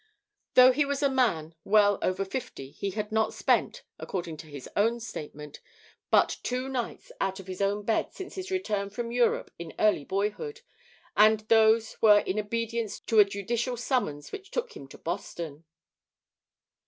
Though he was a man well over fifty he had not spent, according to his own statement, but two nights out of his own bed since his return from Europe in early boyhood, and those were in obedience to a judicial summons which took him to Boston.